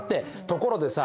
ところでさ